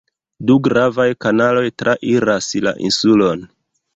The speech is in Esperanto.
Du gravaj kanaloj trairas la insulon.